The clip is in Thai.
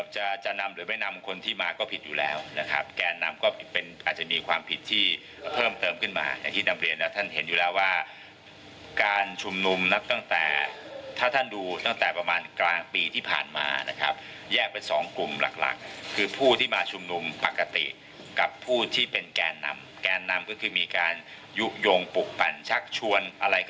จะจะนำหรือไม่นำคนที่มาก็ผิดอยู่แล้วนะครับแกนนำก็เป็นอาจจะมีความผิดที่เพิ่มเติมขึ้นมาอย่างที่นำเรียนแล้วท่านเห็นอยู่แล้วว่าการชุมนุมนับตั้งแต่ถ้าท่านดูตั้งแต่ประมาณกลางปีที่ผ่านมานะครับแยกเป็นสองกลุ่มหลักหลักคือผู้ที่มาชุมนุมปกติกับผู้ที่เป็นแกนนำแกนนำก็คือมีการยุโยงปลูกปั่นชักชวนอะไรก็